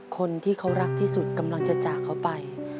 คนที่เขารักที่สุดกำลังจะจากเขาไป